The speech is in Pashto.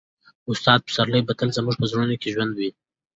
استاد پسرلی به تل زموږ په زړونو کې ژوندی وي.